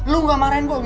lu gak marahin gue